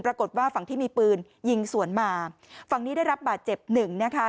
ปรากฏว่าฝั่งที่มีปืนยิงสวนมาฝั่งนี้ได้รับบาดเจ็บหนึ่งนะคะ